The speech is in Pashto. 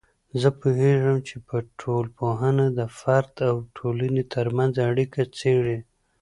زه پوهیږم چې ټولنپوهنه د فرد او ټولنې ترمنځ اړیکه څیړي.